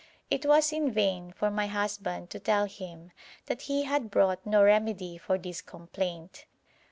It was in vain for my husband to tell him that he had brought no remedy for this complaint.